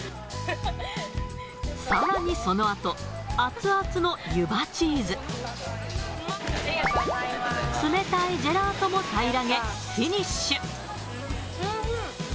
さらにそのあと、熱々の湯葉チーズ、冷たいジェラートも平らげ、フィニッシュ。